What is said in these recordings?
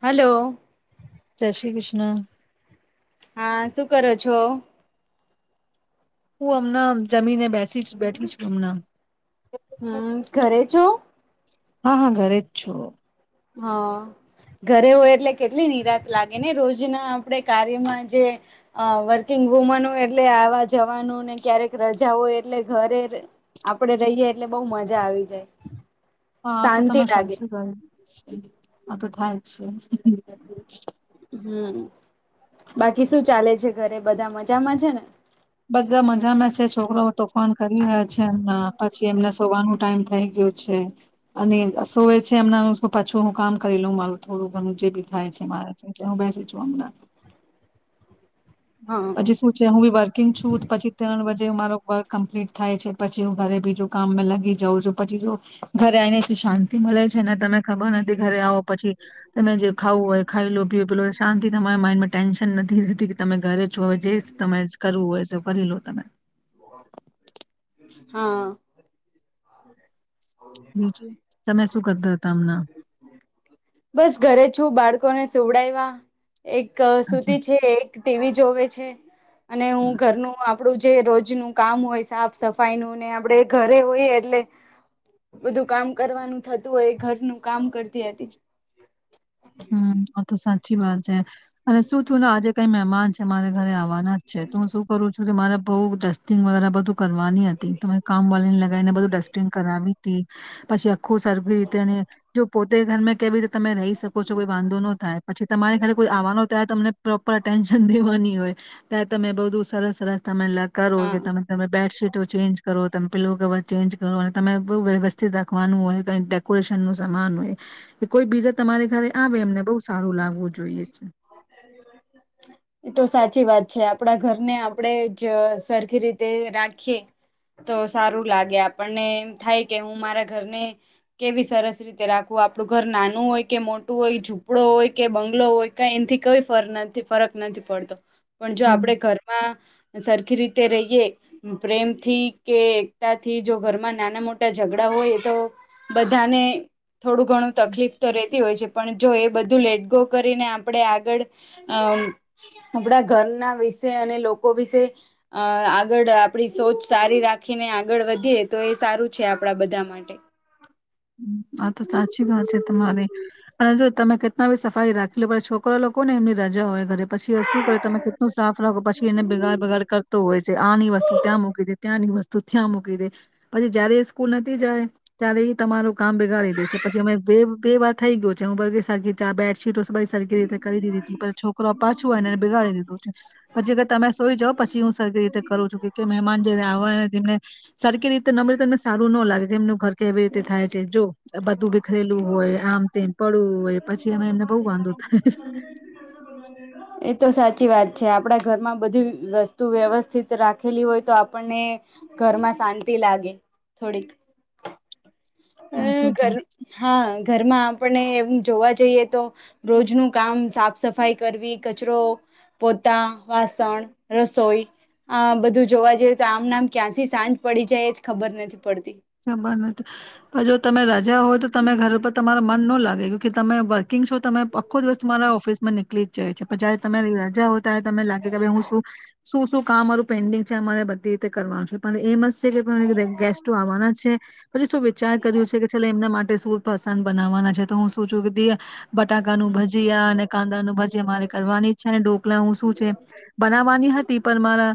Hello. જય શ્રી કૃષ્ણ. હા, શું કરો છો? હું હમના જમીને બેસી બેઠી છું હમના. હમ્મ, ઘરે છો? હા હા ઘરે જ છો. હા, ઘરે હોય એટલે કેટલી નિરાત લાગે ને રોજના આપણે કાર્યમાં જે, વર્કિંગ વુમન હોય એટલે આવા જવાનું ને ક્યારેક રજા હોય એટલે ઘરે આપણેે રહીએ એટલે બહ મજા આવી જાય. હા તો શાંતિ તમે લાગે સાચું કહ્યું. આપડે થાય જ છે. હાઆ! બાકી શું ચાલે છે.? ઘરે બધા મજામાં છે ને? બધા મજામાં છે. છોકરાઓ તોફાન કરી રહ્યા છે. એમના પછી એમને સોવાનું ટાઈમ થઈ ગયું છે. અને સોવે છે એમના પાછું, હું કામ કરી લઉ મારું થોડું. ઘરનું જે બી થાય છે, મારે [inaudible] હું બેસી [inaudible] ચ્યોમનહીં હા પછી શું છે હું બી વર્કિંગ છું. પછી તેનું, તે મારો વર્ક કમ્પ્લીટ થાય છે. પછી હું ઘરે બીજું કામ મે લાગી જઉં છું. પછી જો, ઘરે આઈને તો શાંતિ મળે છે ને, તમે ખબર નથી ઘરે આવો પછી, તમે જે ખાવું હોય ખાઈ લો, પી પી લો, શાંતિ મારી માઇન્ડમાં ટેન્શન નથીતી ઘરે જોવે, જે તમે કરવું હોય સબ ભરી લો તમે. [inaudible] હા! [inaudible] બીજું તમે શું કરતા હતા હમણાં બસ! ઘરે છું. બાળકોને જોવડાઈવા એક સુતી છે. એક ટીવી જોવે છે. અને હું ઘરનું આ આપણું જે રોજ રોજનું કામ હોય, સાફ સફાઈ નું, ને આપણે ઘરે હોય એટલે, બધું કામ કરવાનું થતું હોય. ઘરનું કામ કરતી હતી. હમ આ તો સાચ ચી વાત છે. અને, શું થું ના આજે કઈ મહેમાન છે. મારે ઘરે આવવાના જ છે. તો હું શું કરું છું? કે મારે બઉ ટેસ્ટિંગ વાળા બધું કરવાની હતી. તમે કામ વાળી ને લ એને બધું ડસ્ટિંગ કરાવી [inaudible] આખુ સરખી રીતે અને જો પોતે ઘર મે કેવી રીત તમે રહી શકો? ઓછો કોઈ વાંધો ન થાય. પછી તમારે ઘરે કોઈ આવવાનો ત્યારે, તમને પ્રોપર એટેન્શન દેવાની હોય. ત્યારે તમે બધું સરસ સરસ તમે લગ [inaudible] કારો હા તમે તમે બેડશીટ ચેન્જ કરો. તમે પીલો કવર ચેન્જ કરો, અને તમે બહુ વ્યવસ્થિત રાખવાનું હોય [inaudible] ડેકોરેશન નું સમાન હોય કોઈ બીજા તમારી ઘરે આવે એમને બહુ સારું લાગવું જોઈએ છે. એ તો સાચી વાત છે. આપણા ઘરને આપણેે જ સરખી રીતે રાખીએ, તો સારું લાગે આપણને એમ થાય કે, હું મારા ઘરને કેવી સરસ રીતે રાખવું. આપણું ઘર નાનું હોય કે મોટું હોય છું પડો હોય કે બંગલો હોય કઈ એંથી કઈ નથી ફરક નથી પડતો. પણ જો, હમ આપણે ઘરમાં સર ખી રીતે રહીએ, પ્રેમથી કે એકતા થી જો ઘરમાં નાના મોટા ઝઘડા હોય, તો બધાને થોડું ઘણું તકલીફ તો રહેેતી હોય છે. પણ જો એ બધું લેટગો કરીને આપણે આગળ [unintelligible] ઘરના વિશે અને લોકો વિશે અ આગળ આપણી સોચ સારી રાખીને આગળ વધીએ તો એ સારું છે, આપણા બધા માટે આ તો સાચી વાત છે, તમારી પણ હજ તમે કેટલા બી સફાઈ રાખી લો પણ છોકરા લોકો ને એમની રજા હોય ઘરે પછી શું કરે તમે કેટલું સાફ રાખો પછી એને [unintelligible] બગાડ કરતો હોય છે આની વસ્તુ ત્યાં મૂકી દે ત્યાંની વસ્તુ [unintelligible] મુૂકી [unintelligible] પછી જયારે [inaudible] જાય ચાલી તમારું કામ બગાડી દેશે પછી અમે [unintelligible] બે વાર થઈ ગય છે, હું [unintelligible] ીટોડી સરખી રીતે કરી દીધી હતી છોકરો પાછું હોયને એને બિગાડી દીધું છે, પછી કે તમે સઈ પછી હું સરખી રીતે કરું છું કે કે મહેમાન જે આવે ને એને સરખી રીતે ન મળી તમને સારું ન લાગે કે એમનું ઘર કેવી થાય છે, જો બધું વિખરેલું હોય આમ તેમ પડવું હોય પછી અમે એમને બહ [unintelligible] [inaudible] એ સાચી વાત છે, આપણા ઘરમાં બધી વસ્તુ વ્યવસ્થિત રાખેલી હોય તો આપણને ઘરમાં શાંતિ લાગે થોડીક આ તો છે [inaudible] હા ઘરમાં આપણને એમ જોવા જઈએ તો રોજનું કામ સાફ સફાઈ કરવી કચરો પોતા વાસણ રસોઈ આ બધું જોવા જઈએ તો આમનેમ ક્યાંથી સાંજ પડી જાય એ જ ખબર નથી [inaudible] પડતી [unintelligible] જો તમે રાજા હોય તો તમે ઘરે પર તમારા મન ન લાગેું કે તમે વર્કિંગ છો તમે આખો દિવસ તમારા ઓફિસ માં નીકળ જાય છે, પણ જયારે તમે રજા હોય. [unintelligible] લાગે કે ભાઈ હું શું શું શું કામ [unintelligible] પેન્ડિંગ છે, [unintelligible] બધી રીતે કરવાનું છે, પણ એમ જ [inaudible] ગેસસ્ટ આવવાના પછી શું વિચાર કર્યું છે, કે [unintelligible] એમના માટે શું પ્રસન બનાવવાના છે, તો હું શું [unintelligible] બટાકા નું ભજીયા અને કાંદા ન ભજીયા મારે કરવાની છે, અને હું શું છે, બનાવવાની હતી પણ મારા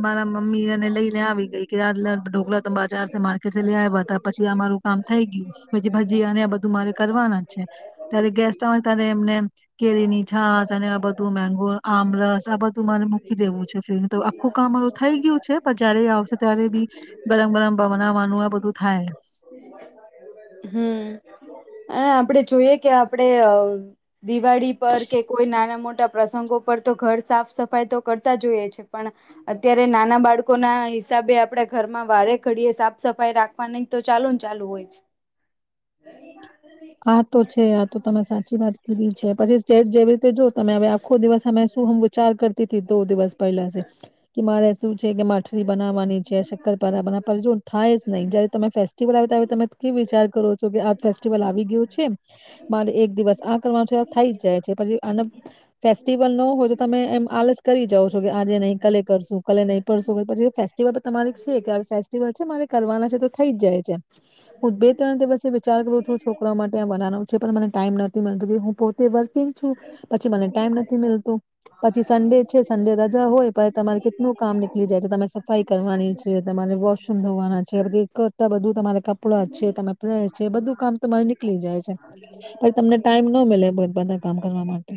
મારા મમ્મીને લઈને આવી ગઈ કે ઢોકલા [unintelligible] માર્કેટ લઈ આવ્યા હતા પછી આમારું કામ થઈ ગયું પછી ભજી આ બધું મારે કરવાના જ છે, ત્યારે ગેસ્ટ ત એમને કેરી ની છાસ અને આ બધું મેગો આમરસ આ બધું મારે મૂકી દેવું છે, [unintelligible] તો આખું કામ મારું થઈ ગયું છે, પણ જયારે આવશે ત્યારે બી ગરમ ગરમ બનાવવાનું આ બધું થાય. હ આપડે જોઈએ કે આપડે દિવાળી પર કે કોઈ નાના [inaudible] મોટા પ્રસંગો પર તો ઘર સાફ સફાઈ તો કરતા જ હોઈએ છે, પણ અત્યારે નાના બાળકો ના હિસાબે આપડણે ઘરમાં વારે ઘડીએ સાફ સફાઈ રાખવાની [inaudible] આ તો છે આ તો તમે [unintelligible] છે, પછી [unintelligible] જેવી રીતે જો [unintelligible] હવે આખો દિવસ અમે શું [unintelligible] વિચાર કરતી [unintelligible] દિવસ પહેલા કે મારે [unintelligible] કે માઠલી બનાવાની છે, શક્કરપારા બનાવવા જો થાય જ નહીં જયારે તમે ફેસ્ટિવલ આવે ત [unintelligible] કે વિચાર કરો [unintelligible] કે આ ફેસ્ટિવલ આવી મારે એક દિવસ આ કરવા છે, થઈ જ જાય છે, પછી ફેસ્ટિવલ ન હોય તો તમે એમ આલસ કરી જાવ છો કે આજે નહી કલે કરશું કલે નહી [unintelligible] પછી ફેસ્ટિવલ તમા છે, ફેલ છેરે કરવાના છે, તો થઈ જ જાય છે, હું બે ત્રણ દિવસ વિચાર કરું છું. [inaudible] માટે આ બનાવવાનું છે, પણ મને ટાઈમ નથી મળતો કે હું પોતે વર [unintelligible] પછી મને ટાઈમ નથીતું પછી સન્ડે છે, સન્ડે રજા હોય [unintelligible] તમારે કેટલું કામ નીકળી જાય છે, તમે સફાઈ કરવાની છે તમારે વોશરૂમ ધોવાના છે પી કરતા બધું તમારે કપડાં છે ત પ્રેસ છે બધું કામ તમારે નીકળી જાય છે પછી તમને ટાઈમ ન મળ બધા કામ કરવા માટે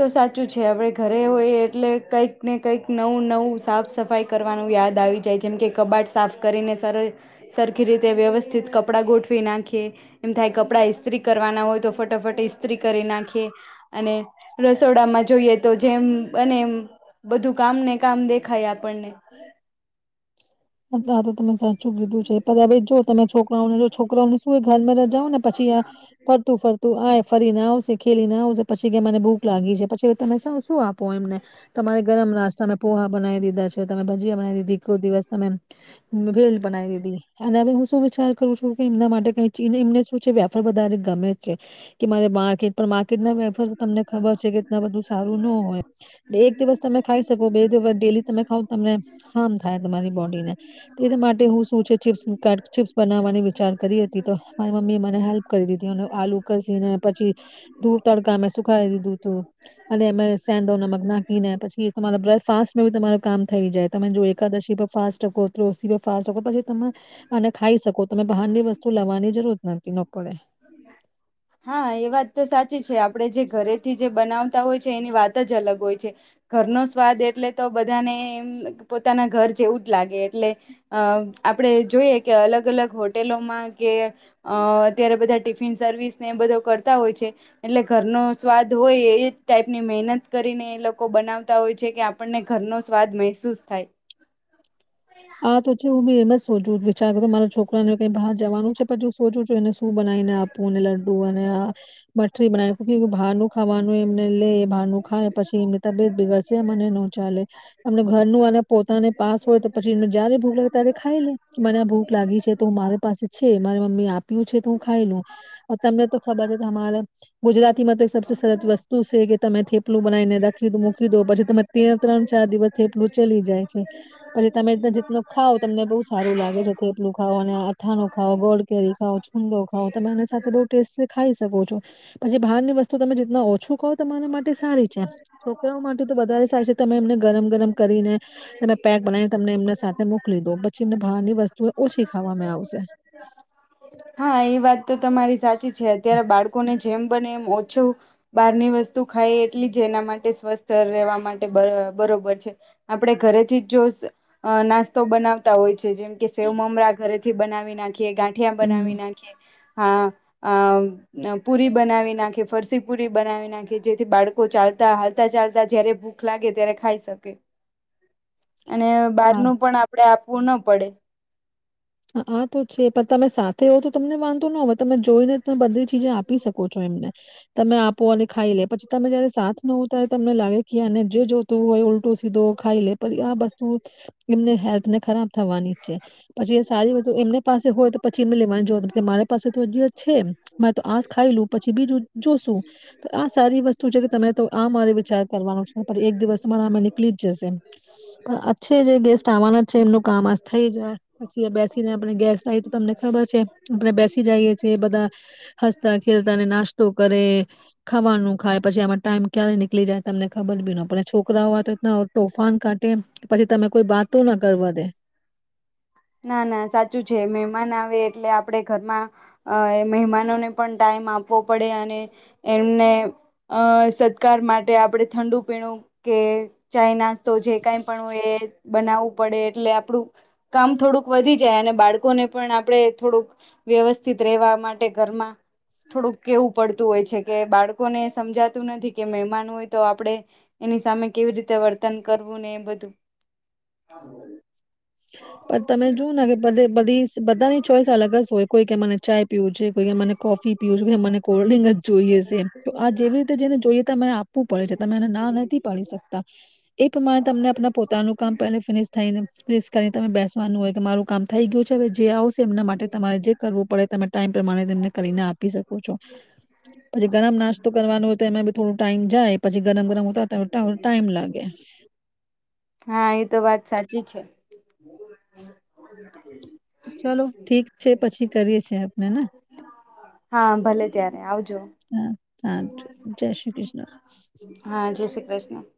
તો સાચું છે આપડ ઘરે હોય એટલે કંઈક ને કંઈક નવું નવું સાફ સફાઈ કરવાનું યાદ આવી જાય જેમ કે કબાટ સાફ કરીને સરખી રીતે વ્યવસ્થિત કપડાં ગોઠવી નાખીએ એમ થાય કપડા ઈસ્ત્રી કરવાના હોય તો ફટાફટ ઈસ્ત્રી કરી નાખીએ અને રસોડામાં જોઈએ તો જેમ અને બધું કામ ને કામ દેખાય આપણને ા તો તમે સાચું કીધું છે પછાઈ જો તમે છોકરાઓને જો છોકરાઓને તું એ ઘરમાં રજાવ ને પછી ફરતું ફરતું આ ફરી ન આવશે ખેલી ન આવશે પછી કે મને ભૂખ લાગી છે પછી તમે શું શું આપ પો એમને તમારે ગરમ નાસ્તા પોહા બનાવી દીધા છે તમે ભજીયા બનાવી દીધી એક દિવસ મવેેલ બનાઈ દીદી અને હું શું વિચાર કરું છું કે એમના માટે ક એમને શું છે વેપાર વધારે ગમે છે કે મારે માર્કેટ પણ માર્કેટ ના વેફર તમને ખબર છે કે બધું સારું ન હોય એક દિવસ તમે ખાઈ શકો બે દિવસ ડેલી તમે ખાવ તમને હારમ થાય તમારે હોતી નથી માટે હું શું છે ચીપ્સ ચીપ્સ બનાવવાની વિચાર કરી હતી તો મારી મમ્મી એ મને હેલ્પ કરી દીધી આલુ કસીને પછી ધૂ તડકા અમે સુખાવી દીધું તું અને અમે સેંદો નમક નાખીને પછી તમારા બથફાસ્ટી તમાર કામ થઈ જાય તમે જો એકાદશી ફાસ્ટકો સ ફાસ્ટકો પછી તમે આને ખાઈ શકો તમે બહારની વસ્તુ લાવવાની જરૂરત નથીતી નકડે હા એ વાત તો સાચી છે આપણે જે ઘરેથી જે બનાવતા હોય છે એની વાત જ અલગ હોય છે ઘરનો સ્વાદ એટલે તો બધાને એ પોતાના ઘર જેવું જ લાગે એટલે અ આપડે જોઈએ કે અલગ અલગ હોટેલોમાં કે અ અત્યારે બધા ટિફિન સર્વિસ એ બધો કરતા હોય છે એટલે ઘરનો સ્વાદ હોય એ જ ટાઈપની મહેનત કરીને એ લોકો બનાવતા હોય છે કે આપણને ઘરનો સ્વાદ મહેસૂસ થાય આા તો છેું બી એમ રોજ નું વિચાર તો મારા છોકરાને બહાર જવાનું છે પછુ સોજું [inaudible] ું બનાવીને આપું અને લડ્ડુ અને આ મઠરી બનાવી બારનું ખાવાનું એમને લે એ બારનું ખાય પછી એમની તબિયત બિગડશેમને ન ચાલે અમને ઘરનું અને પોતાને પાસ હોય તો પછી જયારે ભૂખ લાગે ત્યારે ખાઈ લે મને આ ભૂખ લાગી છે તો હું મારી પાસે છે મારી મમ્મી આપ્યું છે તો હું ખાઈ લઉ તમને તો ખબર છે અરા ગુજરાતીમાં તો સબ સરત વસ્તુ છે કે તમે થેપલું બનાવીને રાખીું મૂકી દો પછી તરે ત ત્રણ ચાર દિવસ થેપલું ચલી જાય છે પછી તમે જું ખાવ તમને બહુ સારું લાગે છે થેપલું ખાવઓ અને અથાણું ખાવઓ ગોડ કેરી ખાવઓ છુંગો ખાવઓ તમે સાથે બહ ટેસ્ટી ખાઈ શકો છો પછી બહારની વસ્તુ તમે જે ઓછું ખાવ તમારા માટે સારી છે છોકરાઓ માટે તો વધારે સારી છે તમે એમને ગરમ ગરમ કરીને તમે પેક બનાવી તમને એમના સાથે મોકલી દો પછી એમને બાવની વસ્તુ એ ઓછી ખાવામાં આવશે હા એ વાત તો તમારી સાચ છે અત્યારે બાળકોને જેમ બને એમ ઓછું બહારની વસ્તુ ખાઈ એટલી જ એના માટે સ્વસ્થ રહેવા માટે બરોબર છે આપણે ઘરેથી જ જો નાસ્તો બનાવતા હોય જેમ કે સેવ મમરા ઘરે થી બનાવી નાખીએ ગા બનાવી હમ નાખી હા અ પુરી બનાવી નાખે ફરસી પુરી બનાવી નાખે જેથી બાળકો ચાલતા હાલતા ચાલતા જયારે ભૂખ લાગે ત્યારે ખાઈ શકે અને બહારનુંું પણ આપડે આપ પૂણ પડે આ તો છે પણ તમે સાથે હોવ તો તમને વાંધો ન હોવે તમે જોઈ ને બદલી આપી શકો છો એમને તમે આપો અને ખાઈ લે પછી તમે જયારે સાથ નવ ત્યારે તમને લાગે કે આને જે જોતું હોય ઉલટું દ ખાઈ લે પર આ બસ એમને હેલ્થ ને ખરાબ થવાની છે, પછી સારી વસ્ત એમને પાસે હોય તો પછી એમને લેવાની જો કે મારી પાસે તો હ છે, મે તો આ ખાઈ લું પછી બીજું જોશું, તો આ સારી વસ્તુ છે કે તરે તો આ મારે વિચાર કરવાનો છે એક દિવસરા આમે નીકળી જ જશે પણ આ છે, જે ગેસ્ટ આવવાના છે એમનું કામ આ થઈ જાય. બેસીને આપ ગેસ લ તો તમને ખબર છે આપણે બેસી જઈએ છીએ બધા હસતા ખેલતાને નાસ્તો કરે ખાવાનું ખાય પછી આમાં ટાઈમ ક્યારે નીકળી જાય તમને ખબર બી ન છોકરા હોય તો એ તોફાન કાઢે પછી તમે કોઈ વાતો ના કરવા દે. ના ના સાચું છે મહેમાન આવે એટલે આપણે ઘરમાં, અ મહેમાનોને પણ ટાઈમ આપવો પડે અને, એમને અ સત્કાર માટે આપણે ઠંડુ પીણું કે ચાઈના તો જે કઈ પણ એ બનાવવું પડે એટલે આપડું કામ થોડુંક વધી જાય અને બાળકોને પણ આપણે થોડુંક, વ્યવસ્થિત રહેેવા માટે ઘરમાં, થોડુંક કેવું પડતું હોય છે કે બાળકોને સમજાતું નથી કે મહેમાન હોય તો આપણે, એની સામે કેવી રીતે વર્તન કરવું ને એ બધું. પણ તમે જોવ ને કે બધી બધાની ચોઈસ અલગ જ હોય કોઈ કે મને ચાય પીવું છે. મને કોફી પીવ છે કે મને કોલ્ડ્રિંક જ જોઈએ છે તો આ જેવી રીતે જેને જોઈએ તો મને આપવું પડે છે તમેને ના નથી પાડી શકતા, એ પ્રમાણે તમને આપ પોતાનું કામ પ ફિનિશ થાયને બેસવાનું હોય કે મારું કામ થઈ ગયું છે હવે જે આવશે એમના માટે તમારે જે કરવું પડે તમે ટાઈમ પ્રમાણે એને કરીને આપી શકો છો, પછી ગરમ નાસ્તો કરવાનું હોય તો એમાં બી થોડું ટાઈમ જ એપ હા એ તો વાત સાચી છે. [inaudible] ચલો ઠીક છે પછી કરીએ છ છેએ. હા ભલે ત્યારે આવજો, હા હા જય શ્રી કૃષ્ણ. હા જય શ્રી કૃષ્ણ. [inaudible]